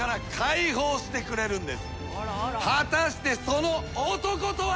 果たしてその男とは。